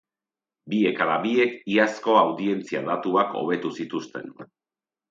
Biek ala biek iazko audientzia datuak hobetu zituzten.